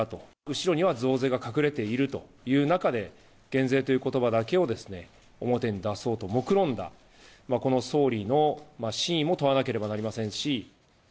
後ろには増税が隠れているという中で、減税ということばだけを表に出そうともくろんだ、この総理の真意を問わなければなりませんし。